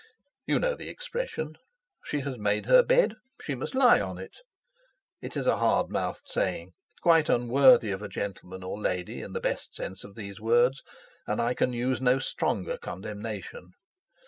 You know the expression: 'She has made her bed, she must lie on it!' It is a hard mouthed saying, quite unworthy of a gentleman or lady in the best sense of those words; and I can use no stronger condemnation.